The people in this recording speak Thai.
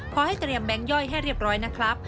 ขอให้เตรียมแบงค์ย่อยให้เรียบร้อยนะครับ